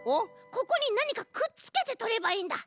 ここになにかくっつけてとればいいんだ。